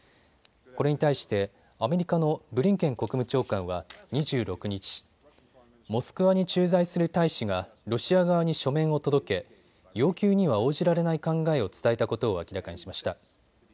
これに対してアメリカのブリンケン国務長官は２６日、モスクワに駐在する大使がロシア側に書面を届け要求には応じられない考えを伝えたことを明らかにしました。